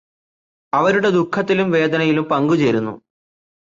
അവരുടെ ദുഃഖത്തിലും വേദനയിലും പങ്കുചേരുന്നു.